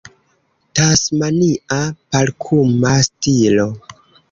Tasmania parkuma stilo